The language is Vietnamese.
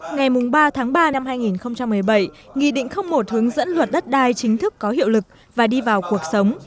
ngày ba tháng ba năm hai nghìn một mươi bảy nghị định một hướng dẫn luật đất đai chính thức có hiệu lực và đi vào cuộc sống